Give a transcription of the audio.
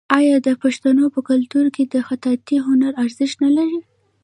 آیا د پښتنو په کلتور کې د خطاطۍ هنر ارزښت نلري؟